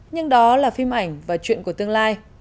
nhưng đó là phim ảnh và chuyện của tương lai